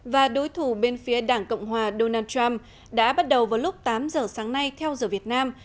và đối thủ bên phía đảng cộng hòa donald trump đã bắt đầu vào lúc tám giờ sáng nay theo giờ việt nam